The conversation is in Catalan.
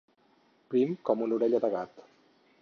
Prim com una orella de gat.